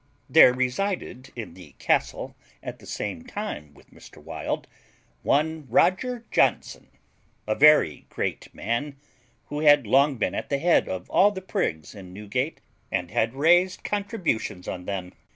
There resided in the castle at the same time with Mr. Wild one Roger Johnson, a very GREAT MAN, who had long been at the head of all the prigs in Newgate, and had raised contributions on them.